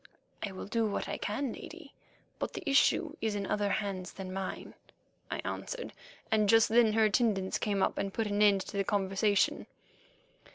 "I will do what I can, Lady, but the issue is in other hands than mine," I answered, and just then her attendants came up and put an end to the conversation.